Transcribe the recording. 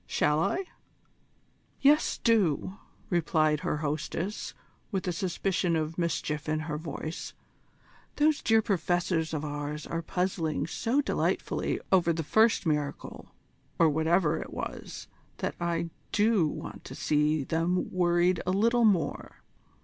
Shall I?" "Yes, do," replied her hostess, with a suspicion of mischief in her voice; "those dear Professors of ours are puzzling so delightfully over the first miracle, or whatever it was, that I do want to see them worried a little more.